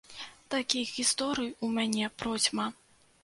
Такіх гісторый у мяне процьма!